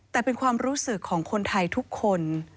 แต่เป็นความรู้สึกของคนไทยทุกคน